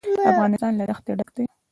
افغانستان له دښتې ډک دی.